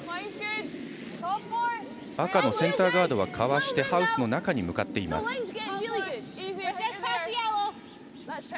赤のセンターガードはかわしてハウスの中に向かっていきました。